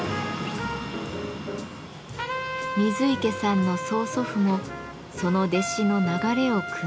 水池さんの曽祖父もその弟子の流れをくむ一人でした。